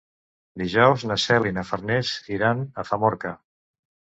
Dijous na Cel i na Farners iran a Famorca.